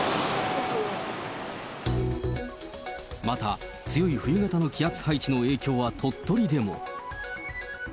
また、強い冬型の気圧配置の影響は鳥取でも。